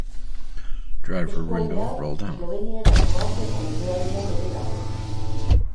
Eskualde hau, Eslovenia eta Kroaziako mendebaldean ere dago.